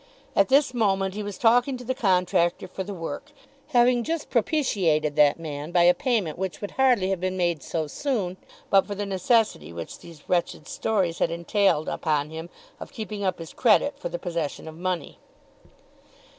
At this moment he was talking to the contractor for the work, having just propitiated that man by a payment which would hardly have been made so soon but for the necessity which these wretched stories had entailed upon him of keeping up his credit for the possession of money.